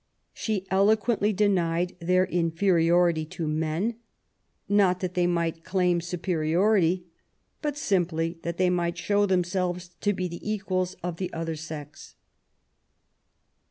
She eloquently denied their inferiority to men, not that they might claim superiority, but simply that they might show themselves to be the equals of the other sex.